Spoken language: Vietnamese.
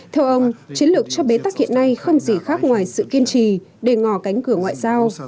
theo ông chiến lược cho bế tắc hiện nay không gì khác ngoài sự kiên trì để ngỏ cánh cửa ngoại giao